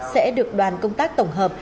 sẽ được đoàn công tác tổng hợp